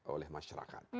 dilihat oleh masyarakat